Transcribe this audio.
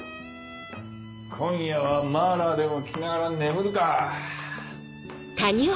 今夜はマーラーでも聴きながら眠るか。